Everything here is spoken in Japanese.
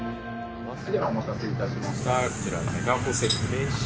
お待たせしました。